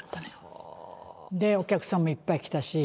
お客さんもいっぱい来たし。